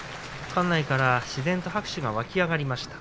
館内から自然と拍手が沸き上がりました。